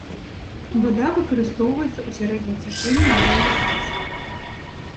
Вада выкарыстоўваецца ў сярэднім цячэнні для ірыгацыі.